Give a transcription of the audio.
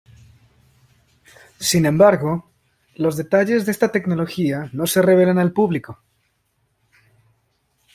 Sin embargo, los detalles de esta tecnología no se revelan al público.